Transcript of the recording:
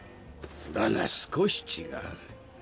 だが少し違う。